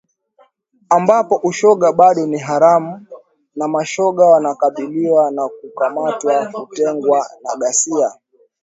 ambapo ushoga bado ni haramu na mashoga wanakabiliwa na kukamatwa, kutengwa na ghasia